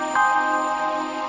mendingan tati simpen